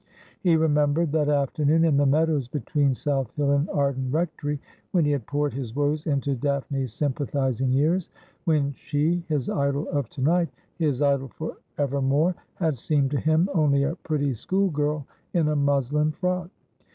He remembered that afternoon in the meadows between South Hill and Arden Rectory, when he had poured his woes into Daphne's sympathising ears ; when she, his idol of to night, his idol for evermore, had seemed to him only a pretty school girl in a muslin frock.